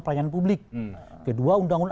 pelayanan publik kedua undang undang